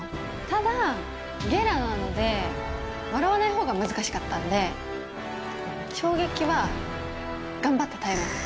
ただ、ゲラなので、笑わないほうが難しかったんで、衝撃は頑張って耐えます。